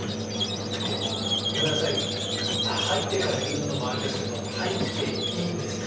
ごめんなさい入ってから言うのもあれですけど入っていいんですか？